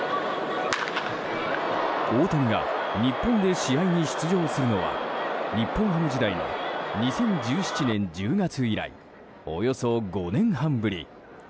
大谷が日本で試合に出場するのは日本ハム時代２０１７年１０月以来およそ５年半ぶり。